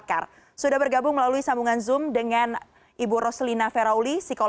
alhamdulillah ya tujuh bulan masih sehat